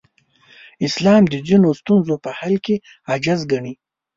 اسلام د ځینو ستونزو په حل کې عاجز ګڼي.